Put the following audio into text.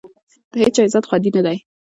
د هېچا عزت خوندي نه دی.